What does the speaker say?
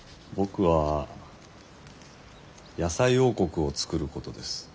僕は野菜王国を作ることです。